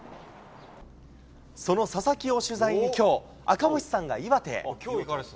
その佐々木を取材にきょう、赤星さんが岩手へ。